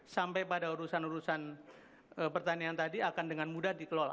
sampai pada urusan urusan pertanian tadi akan dengan mudah dikelola